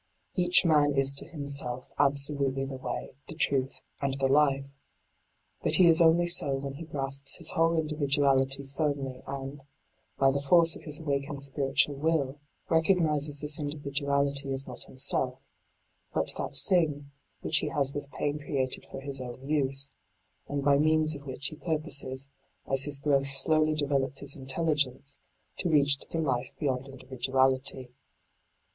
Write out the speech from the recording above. Each man is to himself absolutely the way, the truth, and the life. But he is only so when he grasps his whole individuality firmly, and, by the force of his awakened spiritual will, recognises this individuality as not him self, but that thing which he has with pain created for his own use, and by means of which he purposes, as his growth slowly de velops his intelligence, to reach to the life beyond individuality.